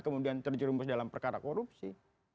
kemudian terjerumus dalam perkara korupsi